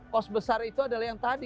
kos besar itu adalah yang tadi